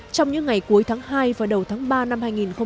trong những ngày cuối tháng hai và đầu tháng ba năm hai nghìn một mươi bảy